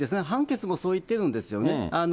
判決もそう言ってるんですよね。